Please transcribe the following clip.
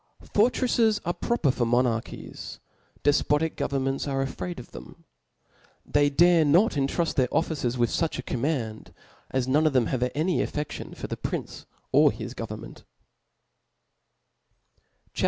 Fortrefles arc proper for monarchies ; defpotic governments are afraid of them. They dare not intruft their officers withfucha command, as none of them have any affedion for the prince or his government, CHAP.